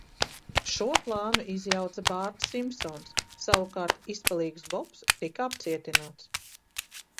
Šo plānu izjauca Bārts Simpsons, savukārt Izpalīgs Bobs tika apcietināts.